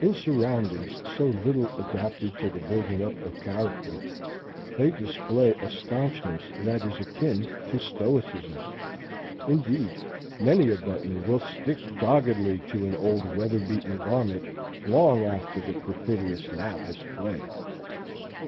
In surroundings so little adapted to the building up of character, they display a stanchness that is akin to stoicism. Indeed, many a button will stick doggedly to an old weatherbeaten garment long after the perfidious nap has fled.